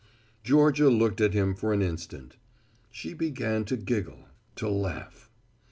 Georgia looked at him for an instant, she began to giggle, to laugh.